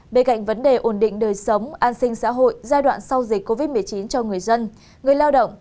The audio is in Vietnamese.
bên cạnh vấn đề ổn định đời sống an sinh xã hội giai đoạn sau dịch covid một mươi chín cho người dân người lao động